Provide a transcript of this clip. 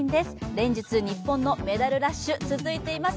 連日、日本のメダルラッシュ、続いています。